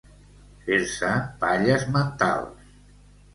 Fer-se palles mentals.